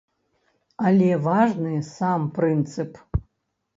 Але важны сам прынцып.